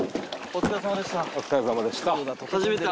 お疲れさまでした。